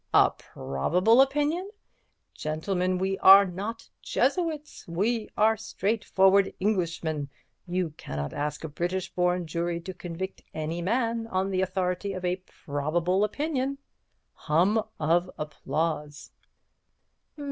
A probable opinion? Gentlemen, we are not Jesuits, we are straightforward Englishmen. You cannot ask a British born jury to convict any man on the authority of a probable opinion.' Hum of applause."